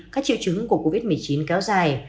các triệu chứng của covid một mươi chín kéo dài